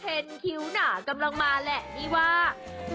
คิ้วหนากำลังมาแหละนี่ว่า